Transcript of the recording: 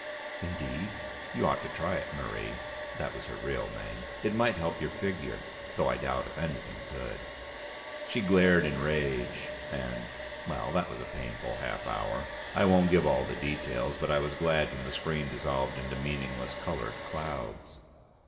"Indeed? You ought to try it, Marie." (That was her real name.) "It might help your figure though I doubt if anything could!" She glared in rage and well, that was a painful half hour. I won't give all the details, but I was glad when the screen dissolved into meaningless colored clouds.